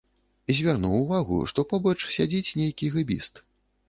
Звярнуў увагу, што побач сядзіць нейкі гэбіст.